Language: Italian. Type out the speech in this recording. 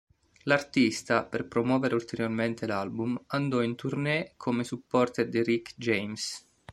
L'artista, per promuovere ulteriormente l'album, andò in tournée come supporter di Rick James.